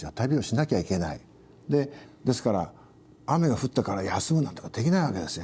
でですから雨が降ったから休むなんてことできないわけですよ。